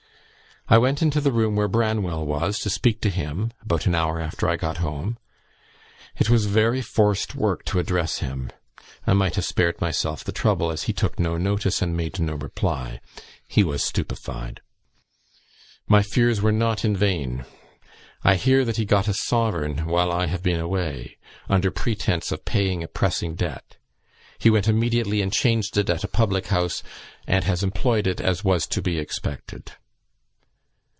I went into the room where Branwell was, to speak to him, about an hour after I got home: it was very forced work to address him. I might have spared myself the trouble, as he took no notice, and made no reply; he was stupified. My fears were not in vain. I hear that he got a sovereign while I have been away, under pretence of paying a pressing debt; he went immediately and changed it at a public house, and has employed it as was to be expected.